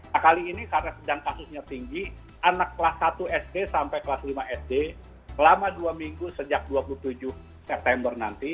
nah kali ini karena sedang kasusnya tinggi anak kelas satu sd sampai kelas lima sd selama dua minggu sejak dua puluh tujuh september nanti